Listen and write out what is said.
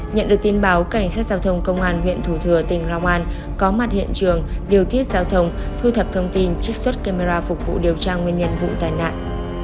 nhận được tin báo cảnh sát giao thông công an huyện thủ thừa tỉnh long an có mặt hiện trường điều tiết giao thông thu thập thông tin trích xuất camera phục vụ điều tra nguyên nhân vụ tai nạn